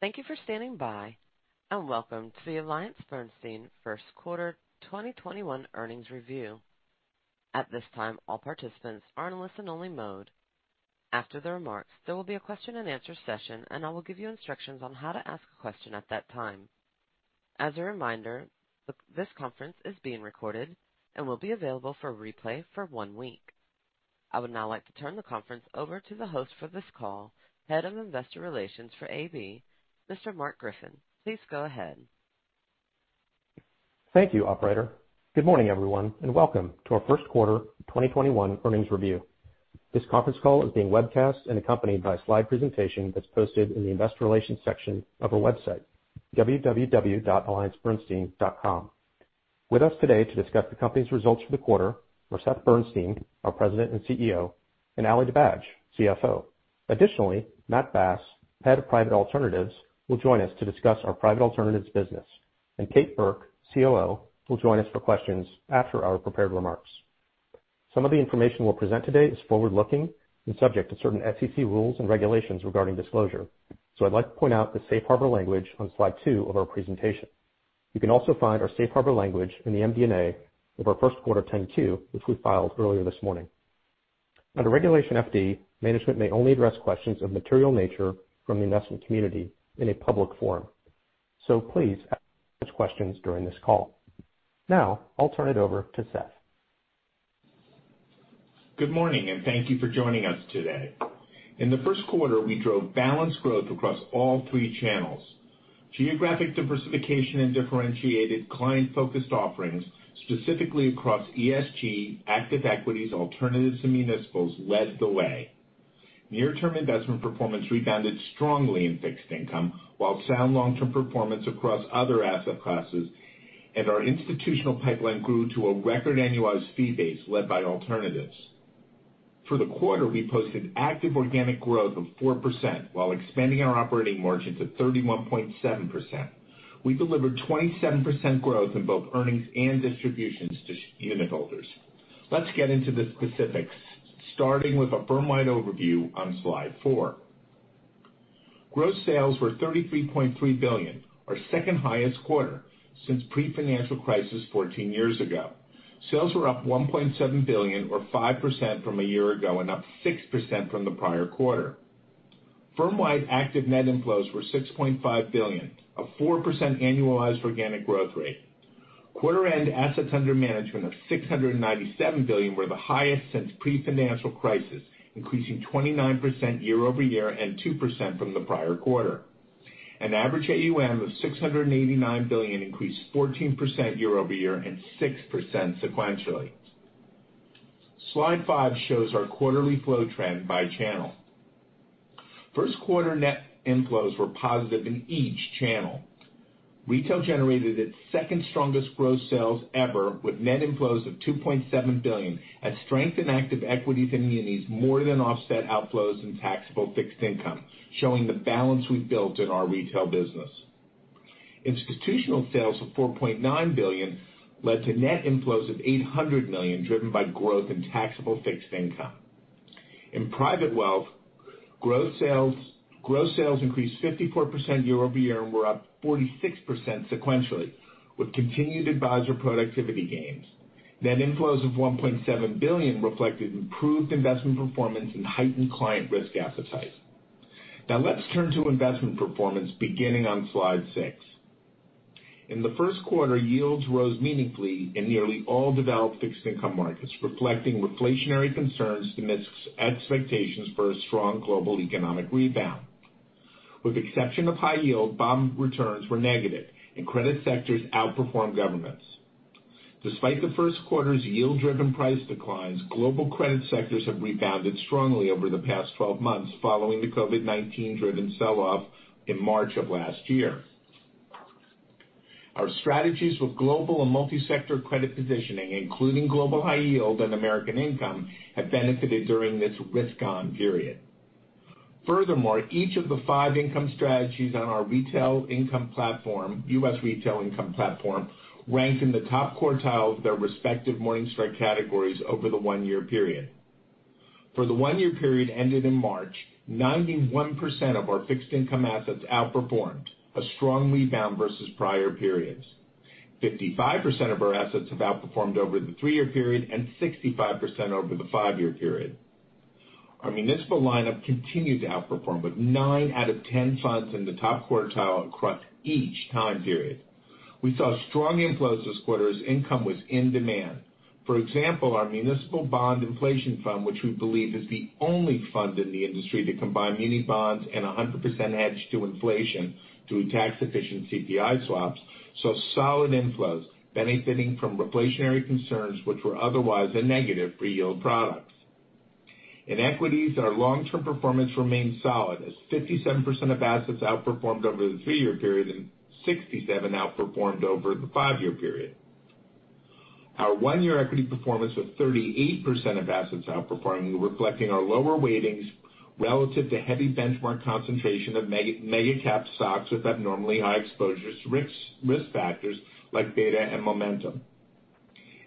Thank you for standing by, and welcome to the AllianceBernstein First Quarter 2021 Earnings Review. At this time, all participants are in listen-only mode. After the remarks, there will be a question-and-answer session, and I will give you instructions on how to ask a question at that time. As a reminder, this conference is being recorded and will be available for replay for one week. I would now like to turn the conference over to the host for this call, Head of Investor Relations for AB, Mr. Mark Griffin. Please go ahead. Thank you, operator. Good morning, everyone, and welcome to our first quarter 2021 earnings review. This conference call is being webcast and accompanied by a slide presentation that's posted in the investor relations section of our website, www.alliancebernstein.com. With us today to discuss the company's results for the quarter are Seth Bernstein, our President and Chief Executive Officer, and Ali Dibadj, Chief Financial Officer. Additionally, Matt Bass, Head of Private Alternatives, will join us to discuss our Private Alternatives business, and Kate Burke, Chief Operating Officer, will join us for questions after our prepared remarks. Some of the information we'll present today is forward-looking and subject to certain SEC rules and regulations regarding disclosure. I'd like to point out the safe harbor language on slide two of our presentation. You can also find our safe harbor language in the MD&A of our first quarter 10-Q, which we filed earlier this morning. Under Regulation FD, management may only address questions of material nature from the investment community in a public forum. Please ask questions during this call. I'll turn it over to Seth. Good morning, and thank you for joining us today. In the first quarter, we drove balanced growth across all three channels. Geographic diversification and differentiated client-focused offerings, specifically across ESG, active equities, alternatives, and municipals, led the way. Near-term investment performance rebounded strongly in fixed income, while sound long-term performance across other asset classes and our institutional pipeline grew to a record annualized fee base led by alternatives. For the quarter, we posted active organic growth of 4% while expanding our operating margin to 31.7%. We delivered 27% growth in both earnings and distributions to unitholders. Let's get into the specifics, starting with a firm-wide overview on slide four. Gross sales were $33.3 billion, our second highest quarter since pre-financial crisis 14 years ago. Sales were up $1.7 billion or 5% from a year ago and up 6% from the prior quarter. Firm-wide active net inflows were $6.5 billion, a 4% annualized organic growth rate. Quarter-end assets under management of $697 billion were the highest since pre-financial crisis, increasing 29% year-over-year and 2% from the prior quarter. An average AUM of $689 billion increased 14% year-over-year and 6% sequentially. Slide five shows our quarterly flow trend by channel. First quarter net inflows were positive in each channel. Retail generated its second strongest gross sales ever with net inflows of $2.7 billion as strength in active equities and munis more than offset outflows in taxable fixed income, showing the balance we've built in our retail business. Institutional sales of $4.9 billion led to net inflows of $800 million, driven by growth in taxable fixed income. In private wealth, gross sales increased 54% year-over-year and were up 46% sequentially with continued advisor productivity gains. Net inflows of $1.7 billion reflected improved investment performance and heightened client risk appetite. Now let's turn to investment performance beginning on slide six. In the first quarter, yields rose meaningfully in nearly all developed fixed income markets, reflecting reflationary concerns amidst expectations for a strong global economic rebound. With the exception of high yield, bond returns were negative, and credit sectors outperformed governments. Despite the first quarter's yield-driven price declines, global credit sectors have rebounded strongly over the past 12 months following the COVID-19 driven sell-off in March of last year. Our strategies with global and multi-sector credit positioning, including Global High Yield and American Income, have benefited during this risk-on period. Furthermore, each of the five income strategies on our U.S. retail income platform rank in the top quartile of their respective Morningstar categories over the one-year period. For the one-year period ended in March, 91% of our fixed income assets outperformed, a strong rebound versus prior periods. 55% of our assets have outperformed over the three-year period and 65% over the five-year period. Our municipal lineup continued to outperform, with nine out of 10 funds in the top quartile across each time period. We saw strong inflows this quarter as income was in demand. For example, our Municipal Bond Inflation Strategy, which we believe is the only fund in the industry to combine muni bonds and 100% hedge to inflation through tax-efficient CPI swaps, saw solid inflows benefiting from reflationary concerns which were otherwise a negative for yield products. In equities, our long-term performance remained solid as 57% of assets outperformed over the three-year period and 67% outperformed over the five-year period. Our one-year equity performance, with 38% of assets outperforming, reflecting our lower weightings relative to heavy benchmark concentration of mega cap stocks with abnormally high exposures to risk factors like beta and momentum.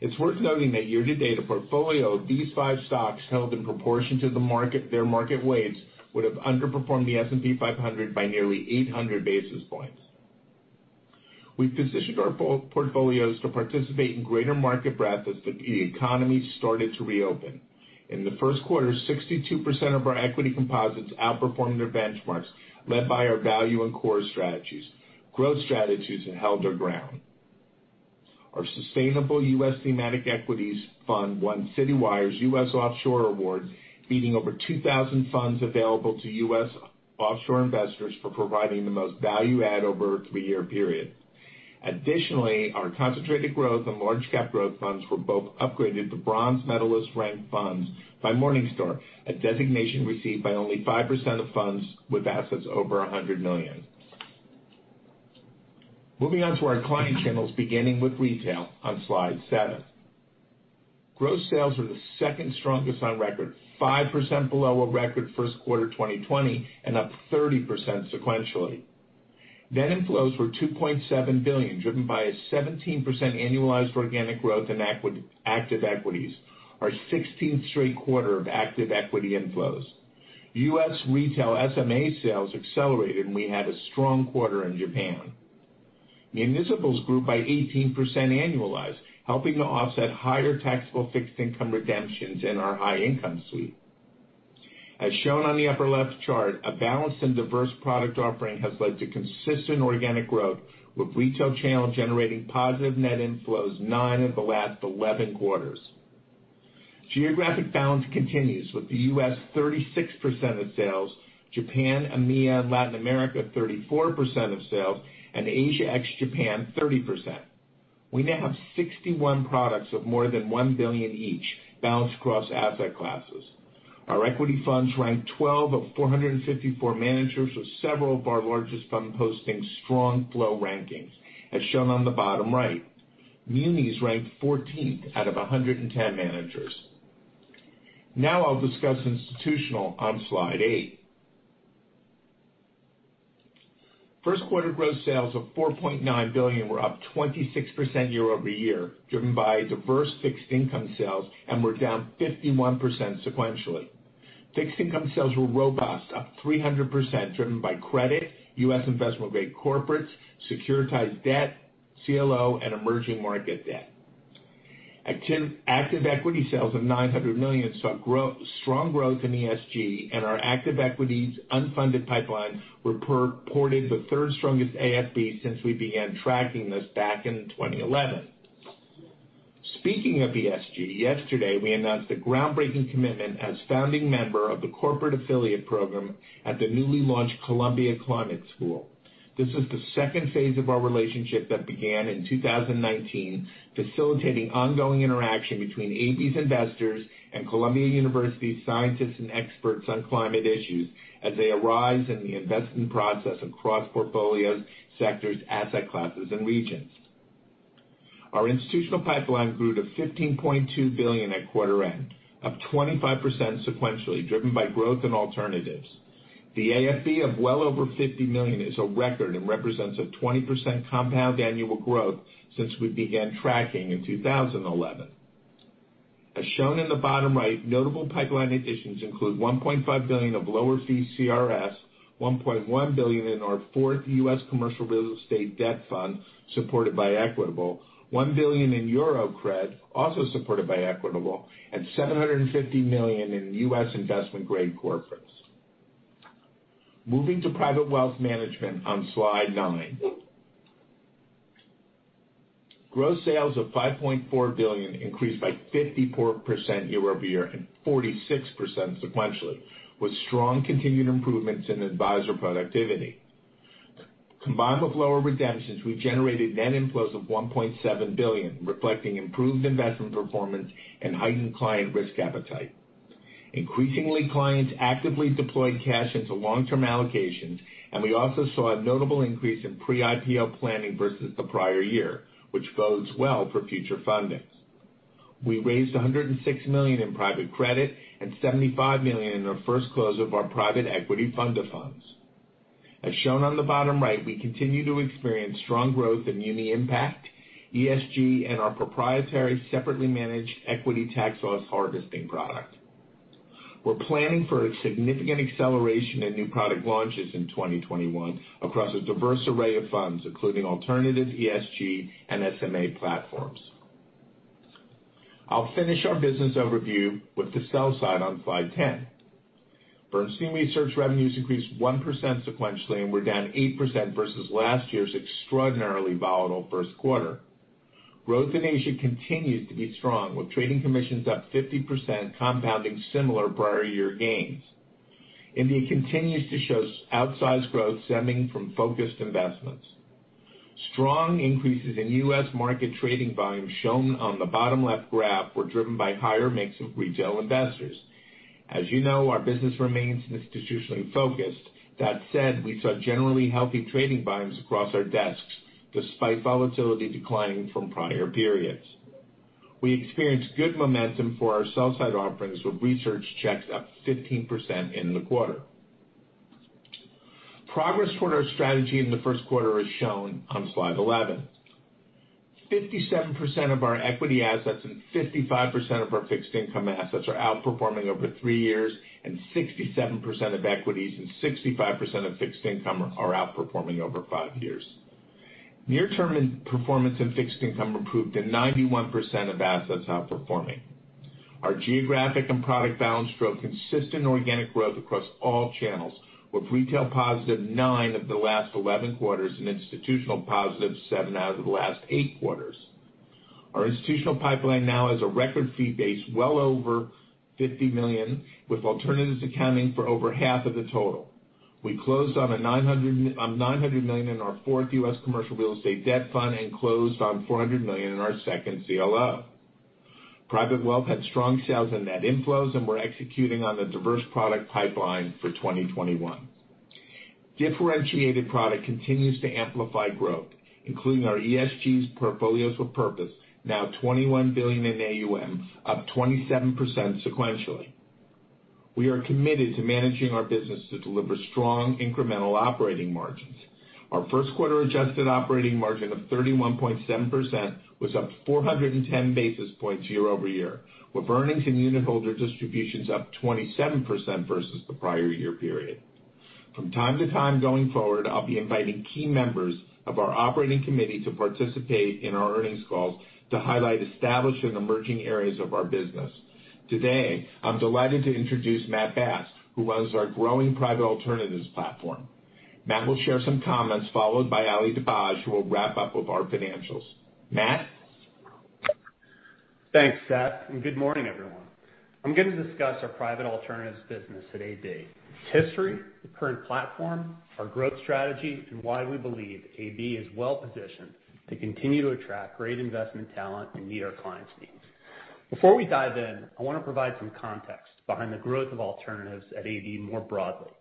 It's worth noting that year to date, a portfolio of these five stocks held in proportion to their market weights would have underperformed the S&P 500 by nearly 800 basis points. We've positioned our portfolios to participate in greater market breadth as the economy started to reopen. In the first quarter, 62% of our equity composites outperformed their benchmarks, led by our value and core strategies. Growth strategies held their ground. Our Sustainable U.S. Thematic Portfolio won Citywire's U.S. Offshore Award, beating over 2,000 funds available to U.S. offshore investors for providing the most value add over a three-year period. Additionally, our Concentrated Growth and Large Cap Growth funds were both upgraded to bronze medalist ranked funds by Morningstar, a designation received by only 5% of funds with assets over $100 million. Moving on to our client channels, beginning with retail on slide seven. Gross sales were the second strongest on record, 5% below a record first quarter 2020 and up 30% sequentially. Net inflows were $2.7 billion, driven by a 17% annualized organic growth in active equities, our 16th straight quarter of active equity inflows. U.S. retail SMA sales accelerated, and we had a strong quarter in Japan. Municipals grew by 18% annualized, helping to offset higher taxable fixed income redemptions in our high income suite. As shown on the upper left chart, a balanced and diverse product offering has led to consistent organic growth, with retail channel generating positive net inflows nine of the last 11 quarters. Geographic balance continues, with the U.S. 36% of sales, Japan, EMEA, and Latin America 34% of sales, and Asia ex Japan 30%. We now have 61 products of more than 1 billion each balanced across asset classes. Our equity funds rank 12 of 454 managers, with several of our largest funds posting strong flow rankings, as shown on the bottom right. Munis ranked 14th out of 110 managers. Now I'll discuss institutional on slide eight. First quarter gross sales of $4.9 billion were up 26% year-over-year, driven by diverse fixed income sales, and were down 51% sequentially. Fixed income sales were robust, up 300%, driven by credit, U.S. investment grade corporates, securitized debt, CLO, and emerging market debt. Active equity sales of $900 million saw strong growth in ESG, and our active equities unfunded pipelines reported the third strongest AFB since we began tracking this back in 2011. Speaking of ESG, yesterday we announced a groundbreaking commitment as founding member of the corporate affiliate program at the newly launched Columbia Climate School. This is the second phase of our relationship that began in 2019, facilitating ongoing interaction between AB's investors and Columbia University scientists and experts on climate issues as they arise in the investment process across portfolios, sectors, asset classes, and regions. Our institutional pipeline grew to $15.2 billion at quarter end, up 25% sequentially, driven by growth and alternatives. The AFB of well over $50 million is a record and represents a 20% compound annual growth since we began tracking in 2011. As shown in the bottom right, notable pipeline additions include $1.5 billion of lower fee CRS, $1.1 billion in our fourth U.S. commercial real estate debt fund, supported by Equitable, $1 billion in Euro-CRED, also supported by Equitable, and $750 million in U.S. investment grade corporates. Moving to private wealth management on slide nine. Gross sales of $5.4 billion increased by 54% year-over-year and 46% sequentially, with strong continued improvements in advisor productivity. Combined with lower redemptions, we generated net inflows of $1.7 billion, reflecting improved investment performance and heightened client risk appetite. Increasingly, clients actively deployed cash into long-term allocations, and we also saw a notable increase in pre-IPO planning versus the prior year, which bodes well for future fundings. We raised $106 million in private credit and $75 million in our first close of our private equity fund of funds. As shown on the bottom right, we continue to experience strong growth in muni impact, ESG, and our proprietary separately managed equity tax loss harvesting product. We're planning for a significant acceleration in new product launches in 2021 across a diverse array of funds, including alternative ESG and SMA platforms. I'll finish our business overview with the sell side on slide 10. Bernstein Research revenues increased 1% sequentially and were down 8% versus last year's extraordinarily volatile first quarter. Growth in Asia continues to be strong, with trading commissions up 50%, compounding similar prior year gains. India continues to show outsized growth stemming from focused investments. Strong increases in U.S. market trading volume shown on the bottom left graph were driven by higher mix of retail investors. As you know, our business remains institutionally focused. That said, we saw generally healthy trading volumes across our desks, despite volatility declining from prior periods. We experienced good momentum for our sell side offerings with research checks up 15% in the quarter. Progress toward our strategy in the first quarter is shown on slide 11. 57% of our equity assets and 55% of our fixed income assets are outperforming over three years, and 67% of equities and 65% of fixed income are outperforming over five years. Near-term performance and fixed income improved to 91% of assets outperforming. Our geographic and product balance drove consistent organic growth across all channels, with retail positive nine of the last 11 quarters and institutional positive seven out of the last eight quarters. Our institutional pipeline now has a record fee base well over $50 million, with alternatives accounting for over half of the total. We closed on $900 million in our fourth U.S. commercial real estate debt fund and closed on $400 million in our second CLO. Private wealth had strong sales and net inflows. We're executing on the diverse product pipeline for 2021. Differentiated product continues to amplify growth, including our ESG Portfolios with Purpose, now $21 billion in AUM, up 27% sequentially. We are committed to managing our business to deliver strong incremental operating margins. Our first quarter adjusted operating margin of 31.7% was up 410 basis points year-over-year, with earnings and unitholder distributions up 27% versus the prior year period. From time to time going forward, I'll be inviting key members of our operating committee to participate in our earnings calls to highlight established and emerging areas of our business. Today, I'm delighted to introduce Matt Bass, who runs our growing Private Alternatives platform. Matt will share some comments, followed by Ali Dibadj, who will wrap up with our financials. Matt? Thanks, Seth, and good morning everyone? I'm going to discuss our private alternatives business at AB. Its history, the current platform, our growth strategy, and why we believe AB is well-positioned to continue to attract great investment talent and meet our clients' needs. Before we dive in, I want to provide some context behind the growth of alternatives at AB more broadly.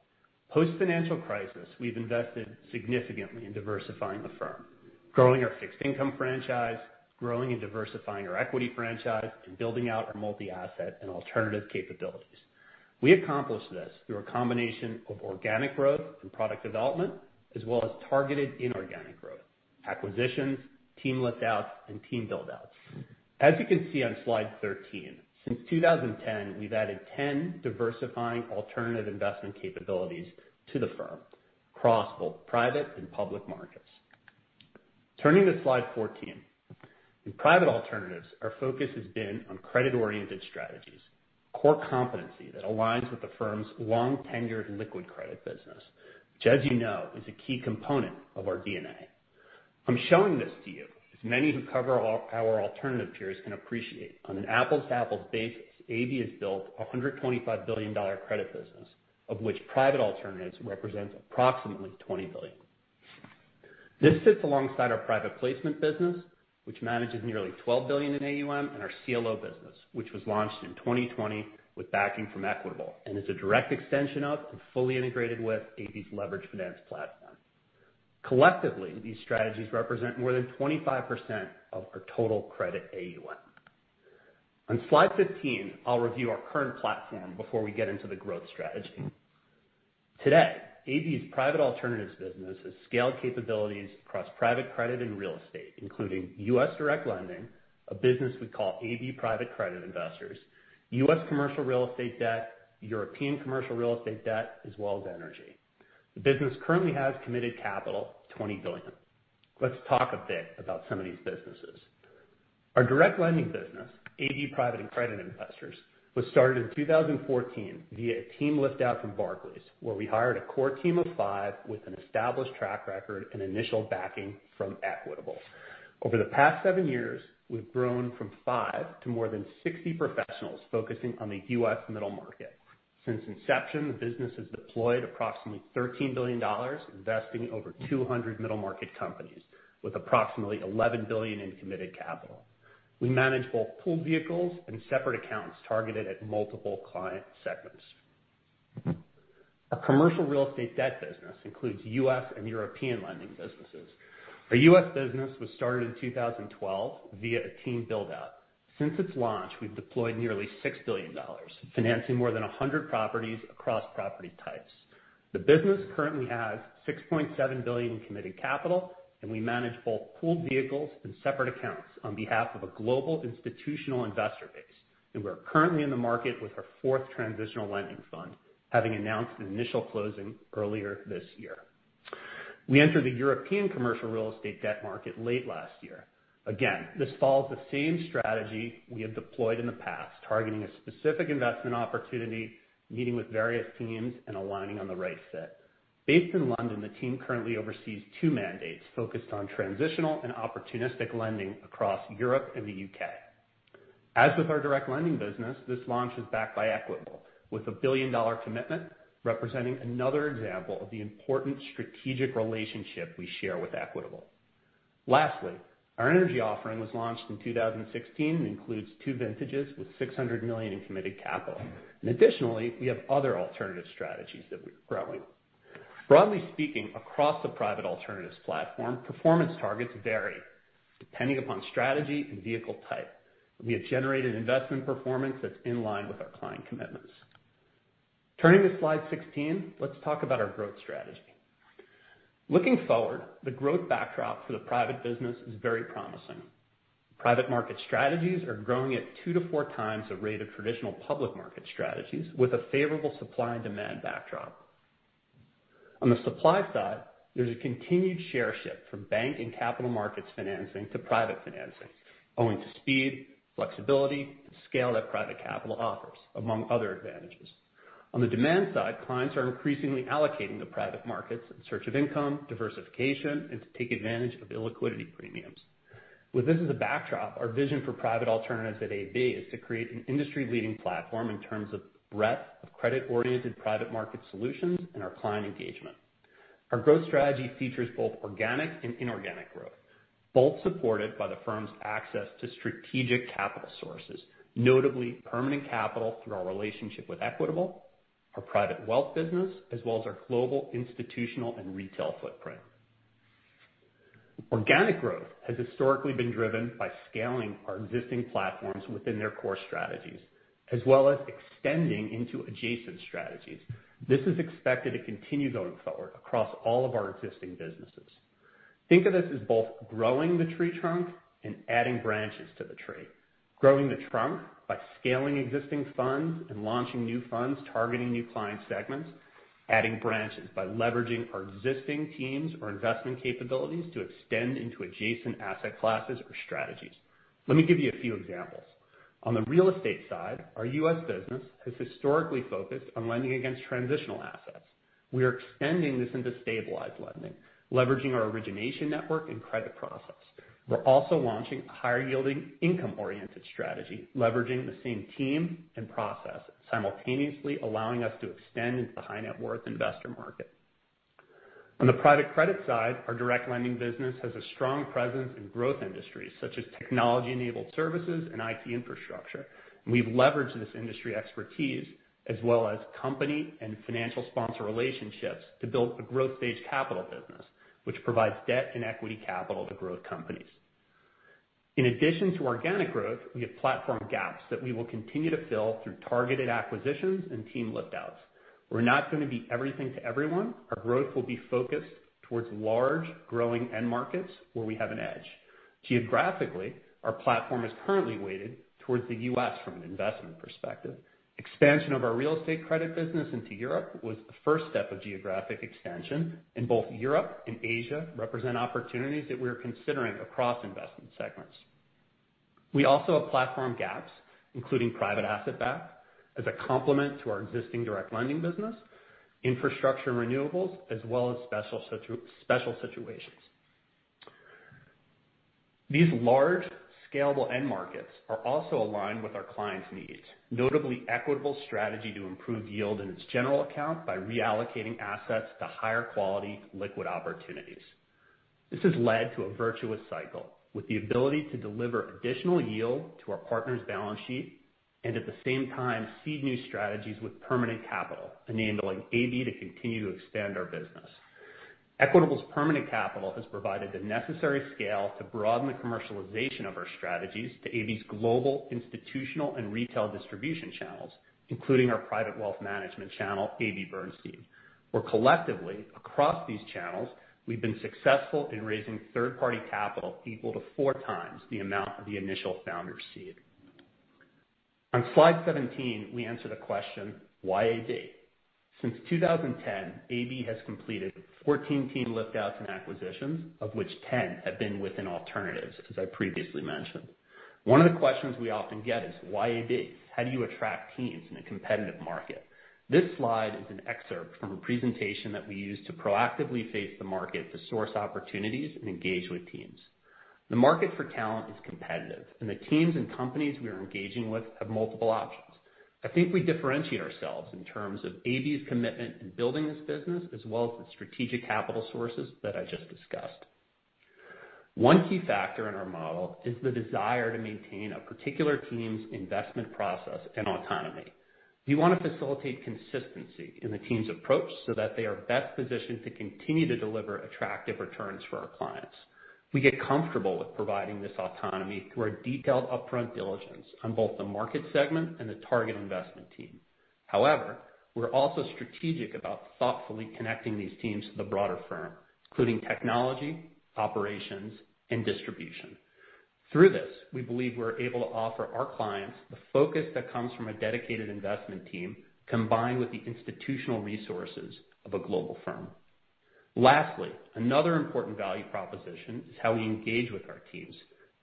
Post-financial crisis, we've invested significantly in diversifying the firm, growing our fixed income franchise, growing and diversifying our equity franchise, and building out our multi-asset and alternative capabilities. We accomplished this through a combination of organic growth and product development, as well as targeted inorganic growth, acquisitions, team list outs, and team build outs. As you can see on slide 13, since 2010, we've added 10 diversifying alternative investment capabilities to the firm, across both private and public markets. Turning to slide 14. In private alternatives, our focus has been on credit-oriented strategies, core competency that aligns with the firm's long tenured liquid credit business, which, as you know, is a key component of our DNA. I'm showing this to you, as many who cover our alternative peers can appreciate, on an apples-to-apples basis, AB has built a $125 billion credit business, of which private alternatives represents approximately $20 billion. This sits alongside our private placement business, which manages nearly $12 billion in AUM and our CLO business, which was launched in 2020 with backing from Equitable, and is a direct extension of and fully integrated with AB's leverage finance platform. Collectively, these strategies represent more than 25% of our total credit AUM. On slide 15, I'll review our current platform before we get into the growth strategy. Today, AB's private alternatives business has scaled capabilities across private credit and real estate, including U.S. direct lending, a business we call AB Private Credit Investors, U.S. commercial real estate debt, European commercial real estate debt, as well as energy. The business currently has committed capital of $20 billion. Let's talk a bit about some of these businesses. Our direct lending business, AB Private Credit Investors, was started in 2014 via a team list out from Barclays, where we hired a core team of five with an established track record and initial backing from Equitable. Over the past seven years, we've grown from five to more than 60 professionals focusing on the U.S. middle market. Since inception, the business has deployed approximately $13 billion, investing in over 200 middle market companies with approximately $11 billion in committed capital. We manage both pooled vehicles and separate accounts targeted at multiple client segments. Our commercial real estate debt business includes U.S. and European lending businesses. Our U.S. business was started in 2012 via a team build-out. Since its launch, we've deployed nearly $6 billion, financing more than 100 properties across property types. The business currently has $6.7 billion in committed capital. We manage both pooled vehicles and separate accounts on behalf of a global institutional investor base. We're currently in the market with our fourth transitional lending fund, having announced an initial closing earlier this year. We entered the European commercial real estate debt market late last year. Again, this follows the same strategy we have deployed in the past, targeting a specific investment opportunity, meeting with various teams, and aligning on the right fit. Based in London, the team currently oversees two mandates focused on transitional and opportunistic lending across Europe and the U.K. As with our direct lending business, this launch is backed by Equitable with a billion-dollar commitment, representing another example of the important strategic relationship we share with Equitable. Lastly, our energy offering was launched in 2016 and includes two vintages with $600 million in committed capital. Additionally, we have other alternative strategies that we're growing. Broadly speaking, across the private alternatives platform, performance targets vary. Depending upon strategy and vehicle type, we have generated investment performance that's in line with our client commitments. Turning to slide 16, let's talk about our growth strategy. Looking forward, the growth backdrop for the private business is very promising. Private market strategies are growing at 2x-4x the rate of traditional public market strategies with a favorable supply and demand backdrop. On the supply side, there's a continued share shift from bank and capital markets financing to private financing owing to speed, flexibility, and scale that private capital offers, among other advantages. On the demand side, clients are increasingly allocating the private markets in search of income, diversification, and to take advantage of illiquidity premiums. With this as a backdrop, our vision for private alternatives at AB is to create an industry-leading platform in terms of breadth of credit-oriented private market solutions and our client engagement. Our growth strategy features both organic and inorganic growth, both supported by the firm's access to strategic capital sources, notably permanent capital through our relationship with Equitable, our private wealth business, as well as our global institutional and retail footprint. Organic growth has historically been driven by scaling our existing platforms within their core strategies, as well as extending into adjacent strategies. This is expected to continue going forward across all of our existing businesses. Think of this as both growing the tree trunk and adding branches to the tree. Growing the trunk by scaling existing funds and launching new funds targeting new client segments. Adding branches by leveraging our existing teams or investment capabilities to extend into adjacent asset classes or strategies. Let me give you a few examples. On the real estate side, our U.S. business has historically focused on lending against transitional assets. We are extending this into stabilized lending, leveraging our origination network and credit process. We're also launching a higher yielding income-oriented strategy, leveraging the same team and process, simultaneously allowing us to extend into the high net worth investor market. On the private credit side, our direct lending business has a strong presence in growth industries such as technology-enabled services and IT infrastructure. We've leveraged this industry expertise as well as company and financial sponsor relationships to build a growth stage capital business, which provides debt and equity capital to growth companies. In addition to organic growth, we have platform gaps that we will continue to fill through targeted acquisitions and team lift-outs. We're not going to be everything to everyone. Our growth will be focused towards large, growing end markets where we have an edge. Geographically, our platform is currently weighted towards the U.S. from an investment perspective. Expansion of our real estate credit business into Europe was the first step of geographic expansion, and both Europe and Asia represent opportunities that we're considering across investment segments. We also have platform gaps, including private asset backs as a complement to our existing direct lending business, infrastructure and renewables, as well as special situations. These large scalable end markets are also aligned with our clients' needs, notably Equitable's strategy to improve yield in its general account by reallocating assets to higher quality liquid opportunities. This has led to a virtuous cycle with the ability to deliver additional yield to our partners' balance sheet, at the same time, seed new strategies with permanent capital, enabling AB to continue to expand our business. Equitable's permanent capital has provided the necessary scale to broaden the commercialization of our strategies to AB's global institutional and retail distribution channels, including our private wealth management channel, AB Bernstein, where collectively across these channels, we've been successful in raising third-party capital equal to 4x the amount of the initial founder seed. On slide 17, we answer the question, why AB? Since 2010, AB has completed 14 team lift-outs and acquisitions, of which 10 have been within alternatives, as I previously mentioned. One of the questions we often get is, why AB? How do you attract teams in a competitive market? This slide is an excerpt from a presentation that we use to proactively face the market to source opportunities and engage with teams. The market for talent is competitive, and the teams and companies we are engaging with have multiple options. I think we differentiate ourselves in terms of AB's commitment in building this business, as well as the strategic capital sources that I just discussed. One key factor in our model is the desire to maintain a particular team's investment process and autonomy. We want to facilitate consistency in the team's approach so that they are best positioned to continue to deliver attractive returns for our clients. We get comfortable with providing this autonomy through our detailed upfront diligence on both the market segment and the target investment team. We're also strategic about thoughtfully connecting these teams to the broader firm, including technology, operations, and distribution. Through this, we believe we're able to offer our clients the focus that comes from a dedicated investment team combined with the institutional resources of a global firm. Lastly, another important value proposition is how we engage with our teams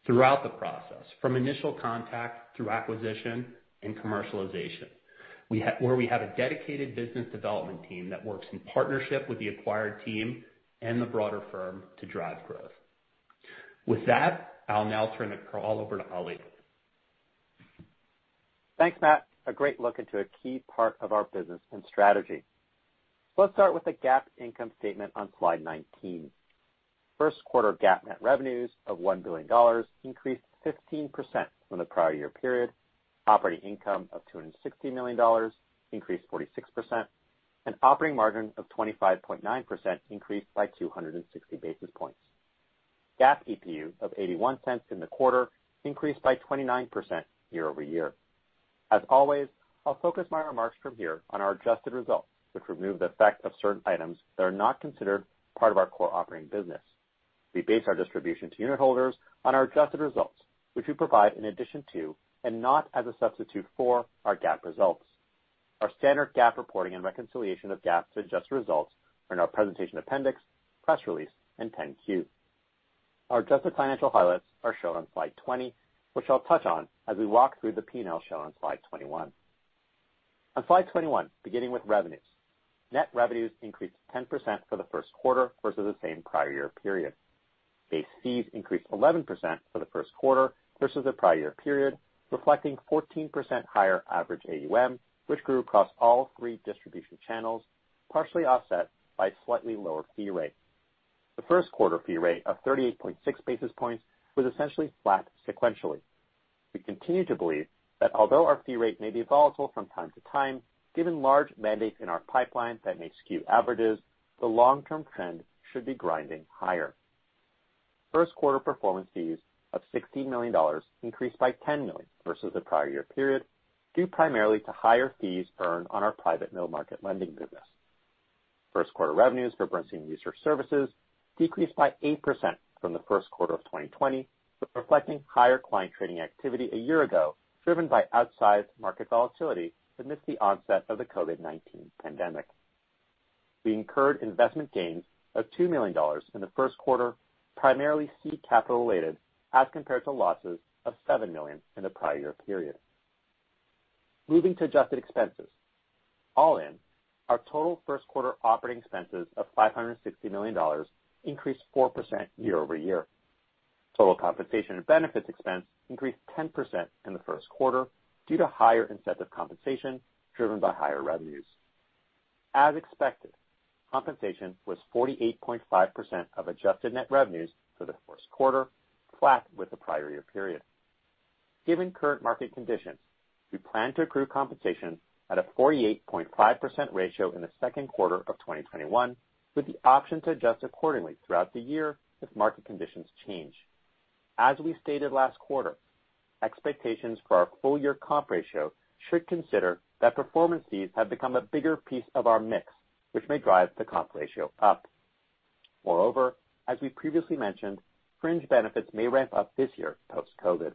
throughout the process, from initial contact through acquisition and commercialization. Where we have a dedicated business development team that works in partnership with the acquired team and the broader firm to drive growth. With that, I'll now turn the call over to Ali. Thanks, Matt. A great look into a key part of our business and strategy. Let's start with the GAAP income statement on slide 19. First quarter GAAP net revenues of $1 billion increased 15% from the prior year period. Operating income of $260 million increased 46%. An operating margin of 25.9% increased by 260 basis points. GAAP EPS of $0.81 in the quarter increased by 29% year-over-year. As always, I'll focus my remarks from here on our adjusted results, which remove the effect of certain items that are not considered part of our core operating business. We base our distribution to unit holders on our adjusted results, which we provide in addition to, and not as a substitute for, our GAAP results. Our standard GAAP reporting and reconciliation of GAAP to adjusted results are in our presentation appendix, press release, and 10-Q. Our adjusted financial highlights are shown on slide 20, which I'll touch on as we walk through the P&L shown on slide 21. On slide 21, beginning with revenues. Net revenues increased 10% for the first quarter versus the same prior year period. Base fees increased 11% for the first quarter versus the prior year period, reflecting 14% higher average AUM, which grew across all three distribution channels, partially offset by slightly lower fee rates. The first quarter fee rate of 38.6 basis points was essentially flat sequentially. We continue to believe that although our fee rate may be volatile from time to time, given large mandates in our pipeline that may skew averages, the long-term trend should be grinding higher. First quarter performance fees of $60 million increased by $10 million versus the prior year period, due primarily to higher fees earned on our private middle market lending business. First quarter revenues for Bernstein Research services decreased by 8% from the first quarter of 2020, reflecting higher client trading activity a year ago, driven by outsized market volatility amidst the onset of the COVID-19 pandemic. We incurred investment gains of $2 million in the first quarter, primarily seed capital related, as compared to losses of $7 million in the prior year period. Moving to adjusted expenses. All in, our total first quarter operating expenses of $560 million increased 4% year-over-year. Total compensation and benefits expense increased 10% in the first quarter due to higher incentive compensation driven by higher revenues. As expected, compensation was 48.5% of adjusted net revenues for the first quarter, flat with the prior year period. Given current market conditions, we plan to accrue compensation at a 48.5% ratio in the second quarter of 2021, with the option to adjust accordingly throughout the year if market conditions change. As we stated last quarter, expectations for our full year comp ratio should consider that performance fees have become a bigger piece of our mix, which may drive the comp ratio up. Moreover, as we previously mentioned, fringe benefits may ramp up this year post-COVID.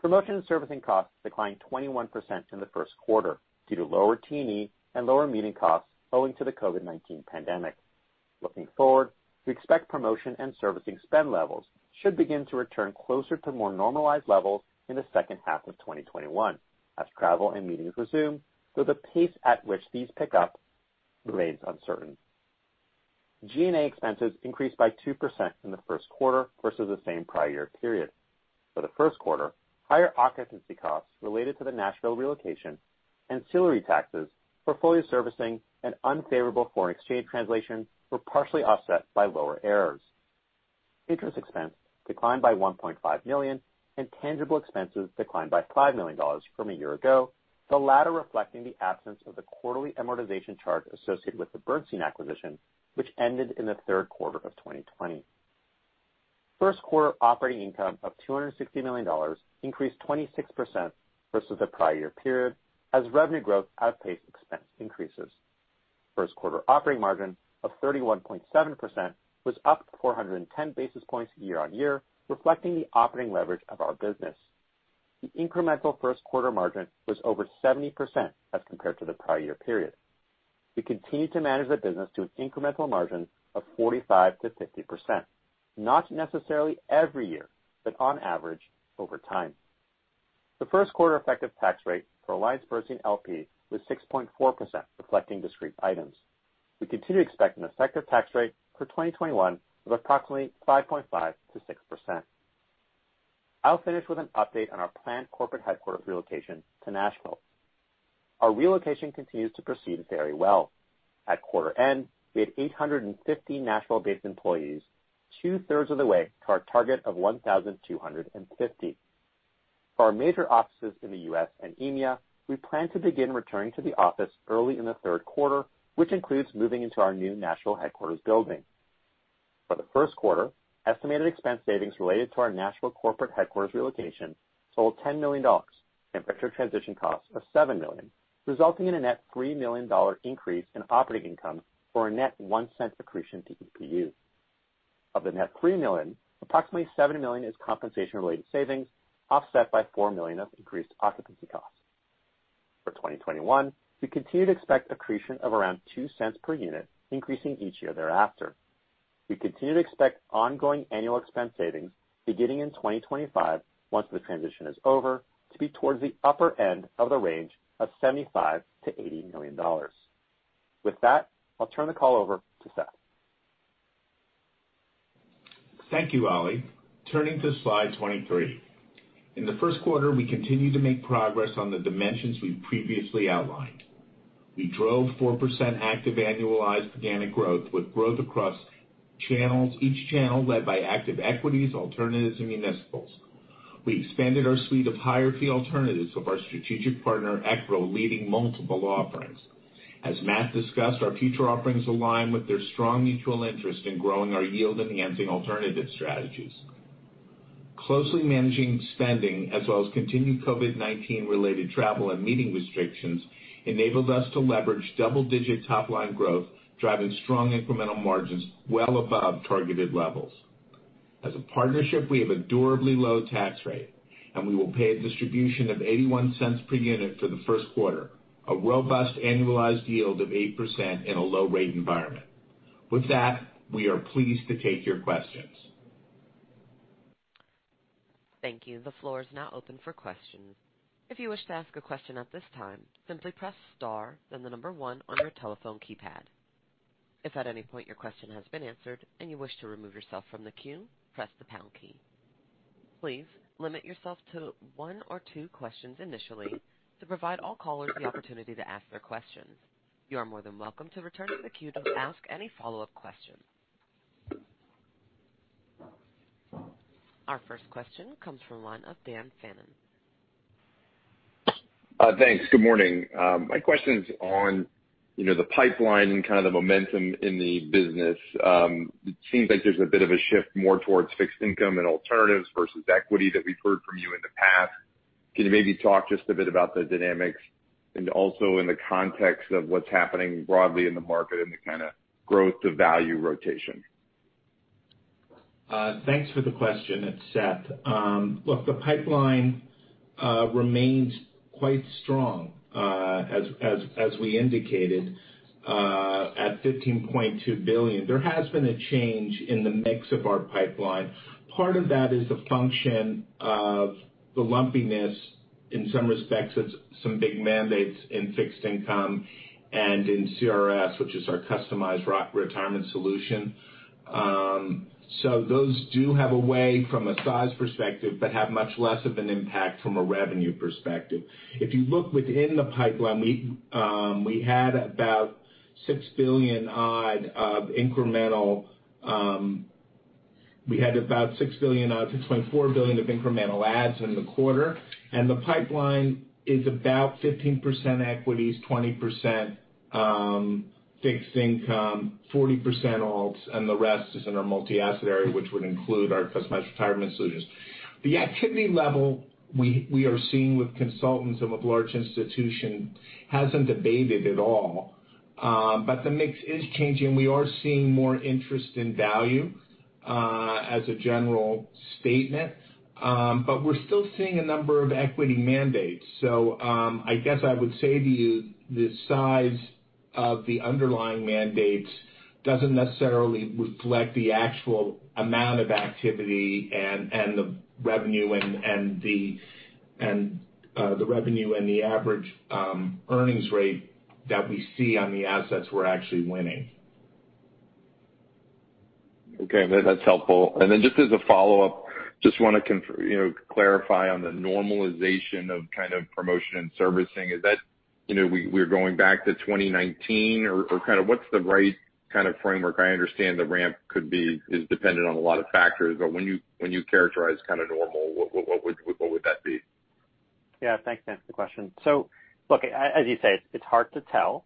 Promotion and servicing costs declined 21% in the first quarter due to lower T&E and lower meeting costs owing to the COVID-19 pandemic. Looking forward, we expect promotion and servicing spend levels should begin to return closer to more normalized levels in the second half of 2021 as travel and meetings resume, though the pace at which these pick up remains uncertain. G&A expenses increased by 2% in the first quarter versus the same prior year period. For the first quarter, higher occupancy costs related to the Nashville relocation, ancillary taxes for fully servicing an unfavorable foreign exchange translation were partially offset by lower errors. Interest expense declined by $1.5 million, and intangible expenses declined by $5 million from a year ago, the latter reflecting the absence of the quarterly amortization charge associated with the Bernstein acquisition, which ended in the third quarter of 2020. First quarter operating income of $260 million increased 26% versus the prior year period as revenue growth outpaced expense increases. First quarter operating margin of 31.7% was up 410 basis points year-on-year, reflecting the operating leverage of our business. The incremental first quarter margin was over 70% as compared to the prior year period. We continue to manage the business to an incremental margin of 45%-50%, not necessarily every year, but on average, over time. The first quarter effective tax rate for AllianceBernstein L.P. was 6.4%, reflecting discrete items. We continue to expect an effective tax rate for 2021 of approximately 5.5%-6%. I'll finish with an update on our planned corporate headquarters relocation to Nashville. Our relocation continues to proceed very well. At quarter-end, we had 850 Nashville-based employees, two-thirds of the way to our target of 1,250. For our major offices in the U.S. and EMEA, we plan to begin returning to the office early in the third quarter, which includes moving into our new Nashville headquarters building. For the first quarter, estimated expense savings related to our Nashville corporate headquarters relocation totaled $10 million and picture transition costs of $7 million, resulting in a net $3 million increase in operating income or a net $0.01 accretion to PPU. Of the net $3 million, approximately $7 million is compensation-related savings, offset by $4 million of increased occupancy costs. For 2021, we continue to expect accretion of around $0.02 per unit, increasing each year thereafter. We continue to expect ongoing annual expense savings beginning in 2025, once the transition is over, to be towards the upper end of the range of $75 million-$80 million. With that, I'll turn the call over to Seth Bernstein. Thank you, Ali. Turning to slide 23. In the first quarter, we continued to make progress on the dimensions we've previously outlined. We drove 4% active annualized organic growth with growth across each channel led by active equities, alternatives, and municipals. We expanded our suite of higher fee alternatives with our strategic partner, Equitable, leading multiple offerings. As Matt discussed, our future offerings align with their strong mutual interest in growing our yield-enhancing alternative strategies. Closely managing spending as well as continued COVID-19 related travel and meeting restrictions enabled us to leverage double-digit top-line growth, driving strong incremental margins well above targeted levels. As a partnership, we have a durably low tax rate, and we will pay a distribution of $0.81 per unit for the first quarter, a robust annualized yield of 8% in a low rate environment. With that, we are pleased to take your questions. Thank you. The floor is now open for questions. If you wish to ask a question at this time simply press star then the number one on your telephone keypad. If at any point your question has been answered and you wish to remove yourself from the queue press the pound. Please limit yourself to one or two questions initially to provide all callers the opportunity to ask their questions. You are more than welcome to return to the queue to ask any follow-up questions. Our first question comes from the line of Dan Fannon. Thanks. Good morning My question's on the pipeline and kind of the momentum in the business. It seems like there's a bit of a shift more towards fixed income and alternatives versus equity that we've heard from you in the past. Can you maybe talk just a bit about the dynamics and also in the context of what's happening broadly in the market and the kind of growth to value rotation? Thanks for the question. It's Seth. Look, the pipeline remains quite strong, as we indicated, at $15.2 billion. There has been a change in the mix of our pipeline. Part of that is the function of the lumpiness, in some respects, of some big mandates in fixed income and in CRS, which is our customized retirement solution. Those do have a way from a size perspective, but have much less of an impact from a revenue perspective. If you look within the pipeline, we had about $6 billion odd of incremental. We had about $6.4 billion of incremental adds in the quarter. The pipeline is about 15% equities, 20% fixed income, 40% alts, and the rest is in our multi-asset area, which would include our customized retirement solutions. The activity level we are seeing with consultants and with large institutions hasn't abated at all. The mix is changing. We are seeing more interest in value, as a general statement. We're still seeing a number of equity mandates. I guess I would say to you, the size of the underlying mandates doesn't necessarily reflect the actual amount of activity and the revenue and the average earnings rate that we see on the assets we're actually winning. Okay. That's helpful. I just want to clarify on the normalization of promotion and servicing. Is that we are going back to 2019, or what's the right kind of framework? I understand the ramp is dependent on a lot of factors, when you characterize normal, what would that be? Yeah. Thanks for the question. Look, as you say, it's hard to tell.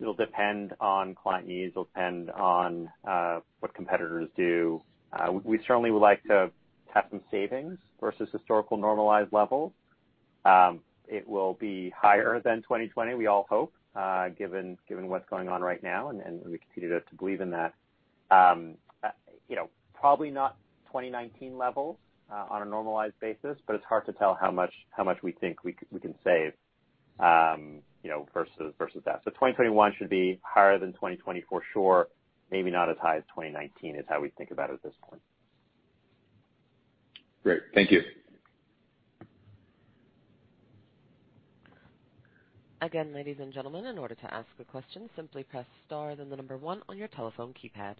It'll depend on client needs. It'll depend on what competitors do. We certainly would like to have some savings versus historical normalized levels. It will be higher than 2020, we all hope, given what's going on right now, and we continue to believe in that. Probably not 2019 levels on a normalized basis, but it's hard to tell how much we think we can save versus that. 2021 should be higher than 2020 for sure. Maybe not as high as 2019 is how we think about it at this point. Great. Thank you. Again ladies and gentlemen if you wish to ask a question press star one on your telephone keypad.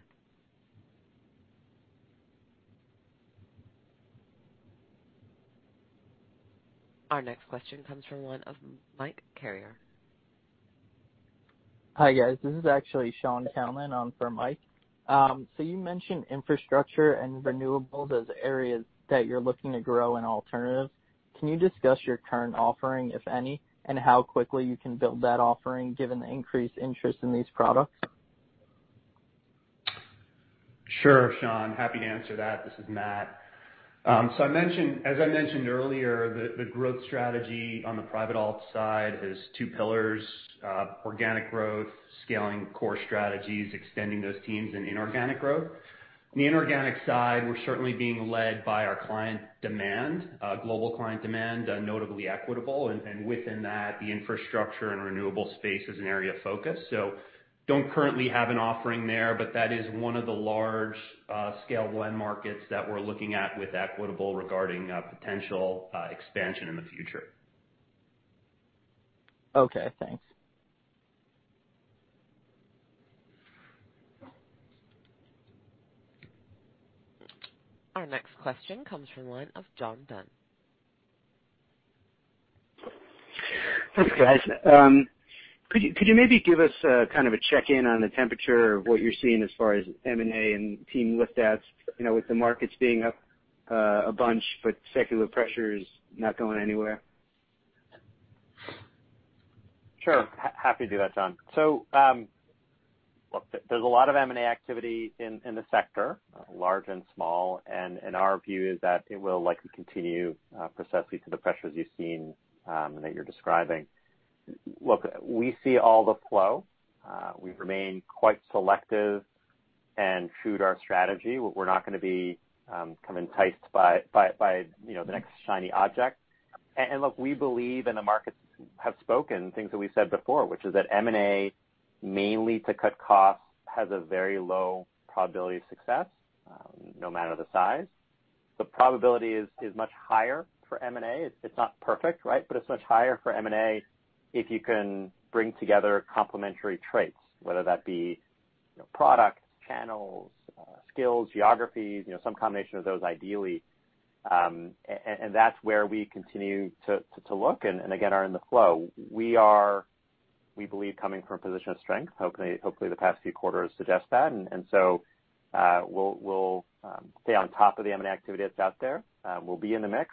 Our next question comes from the line of Michael Carrier. Hi, guys? This is actually Sean Tallman on for Mike. You mentioned infrastructure and renewable as areas that you're looking to grow in alternatives. Can you discuss your current offering, if any, and how quickly you can build that offering given the increased interest in these products? Sure, Sean. Happy to answer that. This is Matt. As I mentioned earlier, the growth strategy on the private alt side has two pillars. Organic growth, scaling core strategies, extending those teams, and inorganic growth. On the inorganic side, we're certainly being led by our client demand, global client demand, notably Equitable, and within that, the infrastructure and renewable space is an area of focus. Don't currently have an offering there, but that is one of the large scalable end markets that we're looking at with Equitable regarding potential expansion in the future. Okay, thanks. Our next question comes from the line of John Dunn. Thanks, guys. Could you maybe give us kind of a check-in on the temperature of what you're seeing as far as M&A and team lift outs, with the markets being up a bunch, but secular pressure is not going anywhere? Sure. Happy to do that, John. There's a lot of M&A activity in the sector, large and small, and our view is that it will likely continue precisely for the pressures you've seen and that you're describing. We see all the flow. We remain quite selective and true to our strategy. We're not going to be enticed by the next shiny object. We believe, and the markets have spoken things that we've said before, which is that M&A, mainly to cut costs, has a very low probability of success no matter the size. The probability is much higher for M&A. It's not perfect, right? It's much higher for M&A if you can bring together complementary traits, whether that be products, channels, skills, geographies, some combination of those ideally. That's where we continue to look and, again, are in the flow. We are, we believe, coming from a position of strength. Hopefully, the past few quarters suggest that. We'll stay on top of the M&A activity that's out there. We'll be in the mix.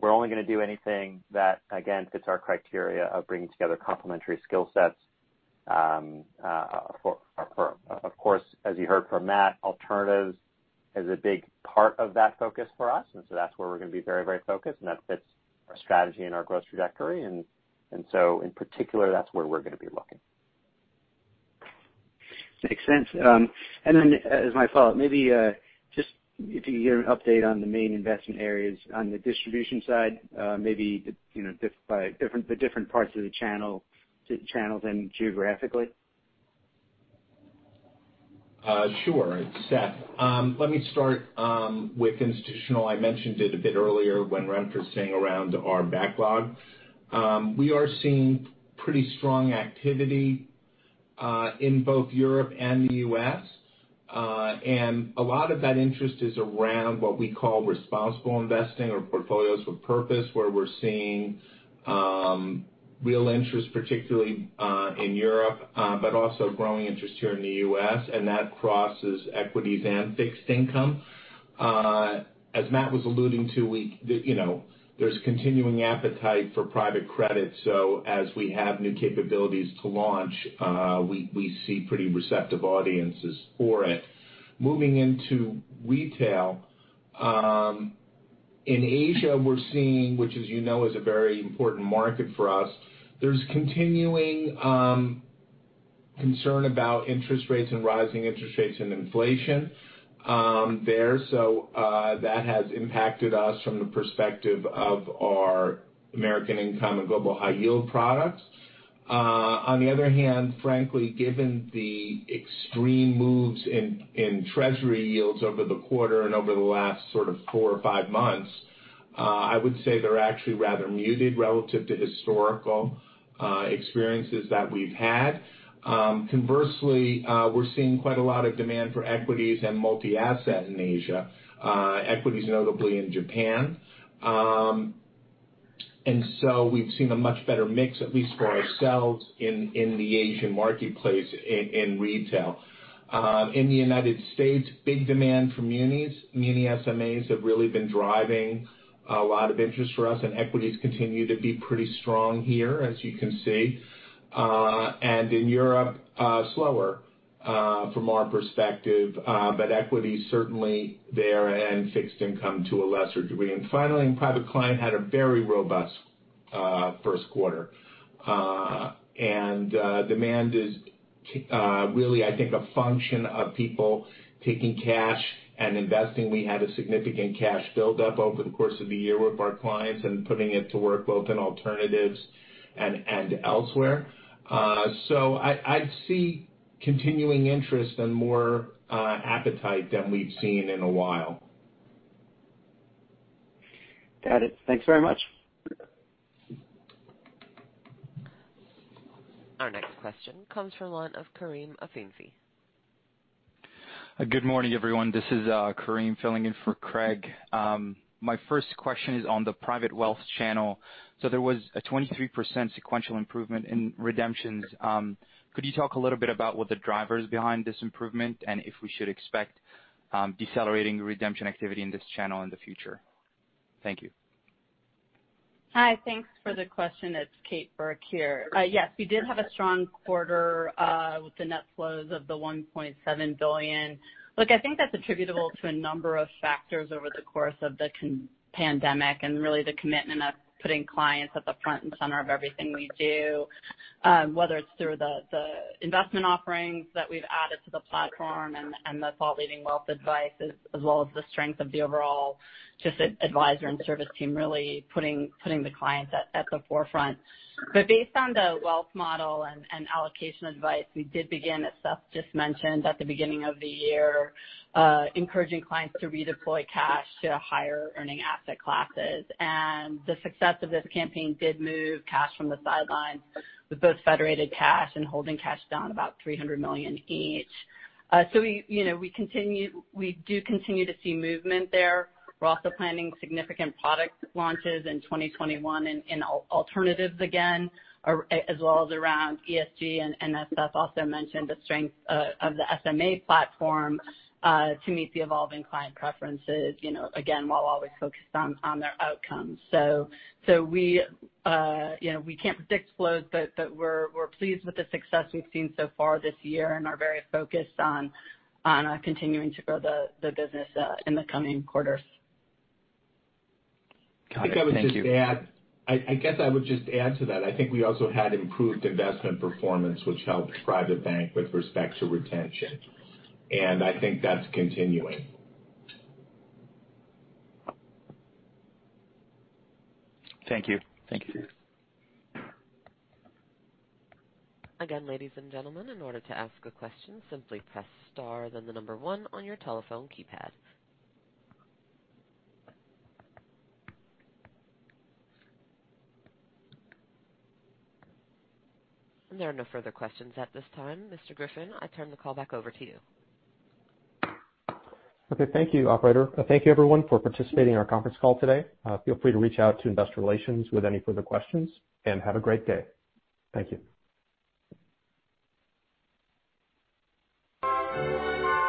We're only going to do anything that, again, fits our criteria of bringing together complementary skill sets. Of course, as you heard from Matt, alternatives is a big part of that focus for us. That's where we're going to be very focused, and that fits our strategy and our growth trajectory. In particular, that's where we're going to be looking. Makes sense. As my follow-up, maybe just if you could give an update on the main investment areas on the distribution side maybe by the different parts of the channels and geographically. Sure. It's Seth. Let me start with institutional. I mentioned it a bit earlier when Renfrew was saying around our backlog. We are seeing pretty strong activity in both Europe and the U.S., and a lot of that interest is around what we call responsible investing or Portfolios with Purpose, where we're seeing real interest, particularly in Europe, but also growing interest here in the U.S., and that crosses equities and fixed income. As Matt was alluding to, there's continuing appetite for private credit. As we have new capabilities to launch, we see pretty receptive audiences for it. Moving into retail. In Asia, we're seeing, which as you know, is a very important market for us. There's continuing concern about interest rates and rising interest rates and inflation there. That has impacted us from the perspective of our American Income and Global High Yield products. On the other hand, frankly, given the extreme moves in Treasury yields over the quarter and over the last sort of four or five months, I would say they're actually rather muted relative to historical experiences that we've had. Conversely, we're seeing quite a lot of demand for equities and multi-asset in Asia. Equities, notably in Japan. We've seen a much better mix, at least for ourselves in the Asian marketplace in retail. In the U.S., big demand for munis. Muni SMAs have really been driving a lot of interest for us, and equities continue to be pretty strong here, as you can see. In Europe, slower from our perspective. Equities certainly there and fixed income to a lesser degree. Finally, private client had a very robust first quarter. Demand is really, I think, a function of people taking cash and investing. We had a significant cash buildup over the course of the year with our clients and putting it to work both in alternatives and elsewhere. I'd see continuing interest and more appetite than we've seen in a while. Got it. Thanks very much. Our next question comes from the line of Kareem Afifi. Good morning everyone? This is Kareem filling in for Craig. There was a 23% sequential improvement in redemptions. Could you talk a little bit about what the driver is behind this improvement and if we should expect decelerating redemption activity in this channel in the future? Thank you. Hi. Thanks for the question. It's Kate Burke here. Yes, we did have a strong quarter with the net flows of the $1.7 billion. Look, I think that's attributable to a number of factors over the course of the pandemic and really the commitment of putting clients at the front and center of everything we do, whether it's through the investment offerings that we've added to the platform and the thought-leading wealth advice as well as the strength of the overall just advisor and service team really putting the client at the forefront. Based on the wealth model and allocation advice, we did begin, as Seth just mentioned at the beginning of the year, encouraging clients to redeploy cash to higher earning asset classes. The success of this campaign did move cash from the sidelines with both federated cash and holding cash down about $300 million each. We do continue to see movement there. We're also planning significant product launches in 2021 in alternatives again, as well as around ESG. As Seth also mentioned, the strength of the SMA platform to meet the evolving client preferences, again, while always focused on their outcomes. We can't predict flows, but we're pleased with the success we've seen so far this year and are very focused on continuing to grow the business in the coming quarters. Got it. Thank you. I guess I would just add to that, I think we also had improved investment performance, which helped drive the bank with respect to retention. I think that's continuing. Thank you. Again, ladies and gentlemen, in order to ask a question, simply press star then the number one on your telephone keypad. There are no further questions at this time. Mr. Griffin, I turn the call back over to you. Okay. Thank you, operator. Thank you everyone for participating in our conference call today. Feel free to reach out to investor relations with any further questions, and have a great day. Thank you.